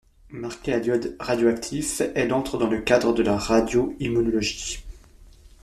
Marquée à l'iode radioactif, elle entre dans le cadre de la radio-immunologie.